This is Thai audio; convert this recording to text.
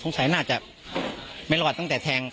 กลุ่มวัยรุ่นกลัวว่าจะไม่ได้รับความเป็นธรรมทางด้านคดีจะคืบหน้า